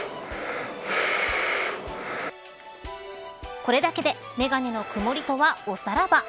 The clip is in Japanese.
これだけで眼鏡のくもりとは、おさらば。